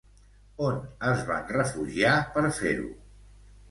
On es van refugiar per fer-ho?